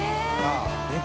えっ。